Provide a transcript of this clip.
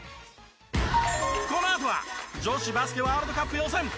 このあとは女子バスケワールドカップ予選。